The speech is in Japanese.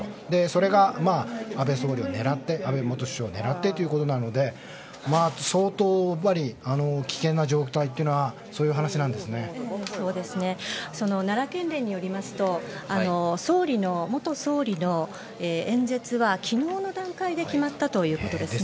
それが安倍元首相を狙ってということなので相当、危険な状態という奈良県連によりますと元総理の演説は昨日の段階で決まったということですね。